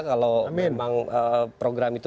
kalau memang program itu